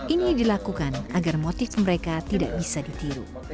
ini dilakukan agar motif mereka tidak bisa ditiru